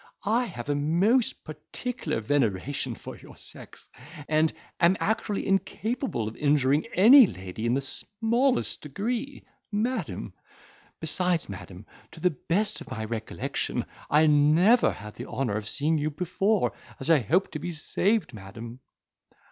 I have a most particular veneration for your sex, and, am actually incapable of injuring any lady in the smallest degree, madam; besides, madam, to the best of my recollection, I never had the honour of seeing you before, as I hope to be saved, madam!"